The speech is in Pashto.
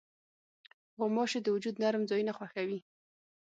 غوماشې د وجود نرم ځایونه خوښوي.